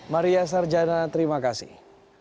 maria sarjana terima kasih